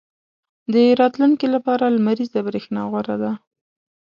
• د راتلونکي لپاره لمریزه برېښنا غوره ده.